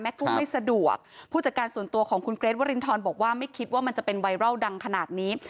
แม่กุ้งไม่สะดวกผู้จัดการส่วนตัวของว่ารินทรหมายคิดว่ามันจะเป็นไวรัลดังขนาดนี้